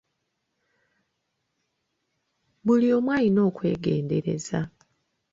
Buli omu alina okwegendereza.